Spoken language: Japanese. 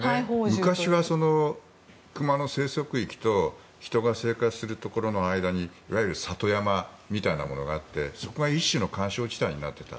昔は熊の生息域と人が生活するところの間にいわゆる里山みたいなものがあってそこが一種の緩衝地帯になっていた。